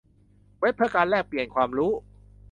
เว็บเพื่อการแลกปลี่ยนความรู้